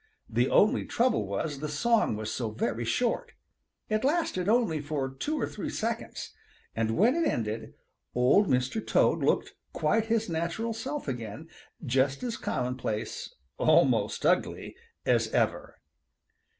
The only trouble was the song was so very short. It lasted only for two or three seconds. And when it ended, Old Mr. Toad looked quite his natural self again; just as commonplace, almost ugly, as ever.